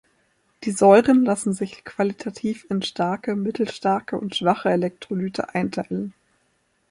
Die Säuren lassen sich qualitativ in starke, mittelstarke, und schwache Elektrolyte einteilen.